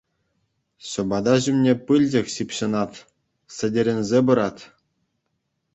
Ҫӑпата ҫумне пылчӑк ҫыпҫӑнать, сӗтӗрӗнсе пырать.